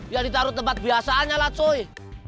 ya ditaruh tempat biasanya lah cuy